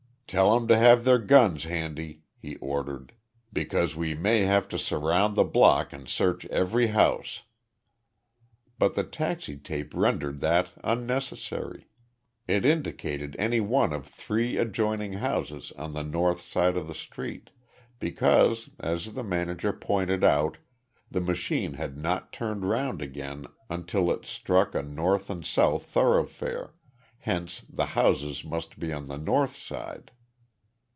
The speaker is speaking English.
"Tell 'em to have their guns handy," he ordered, "because we may have to surround the block and search every house." But the taxi tape rendered that unnecessary. It indicated any one of three adjoining houses on the north side of the street, because, as the manager pointed out, the machine had not turned round again until it struck a north and south thoroughfare, hence the houses must be on the north side.